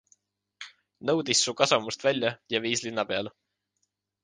Nõudis Su kasarmust välja ja viis linna peale.